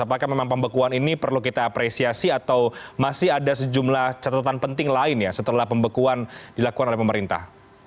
apakah memang pembekuan ini perlu kita apresiasi atau masih ada sejumlah catatan penting lain ya setelah pembekuan dilakukan oleh pemerintah